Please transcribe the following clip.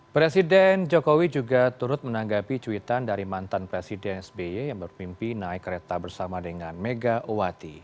presiden jokowi juga turut menanggapi cuitan dari mantan presiden sby yang berpimpi naik kereta bersama dengan megawati